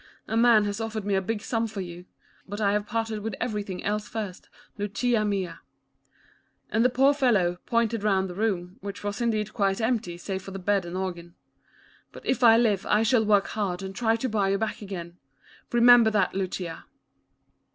A man has offered me a big sum for you. But I have parted with everything else first, Lucia mia," and the poor fellow, pointed round the room, which was indeed quite empty, save for the bed and organ. " But, if I live, I shall work hard and try to buy you back again. Remember that, Lucia."